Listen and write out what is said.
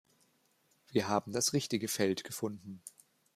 Wir haben das richtige Feld gefunden.